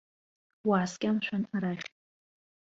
Уааскьа, мшәан, арахь.